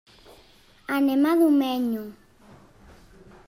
Anem a Domenyo.